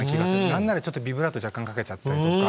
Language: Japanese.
何ならちょっとビブラート若干かけちゃったりとか。